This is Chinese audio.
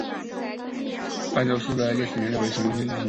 旦斗寺的历史年代为明至清。